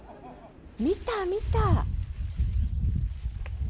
見た見た！